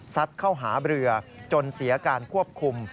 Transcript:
เข้าหาเรือจนเสียการควบคุม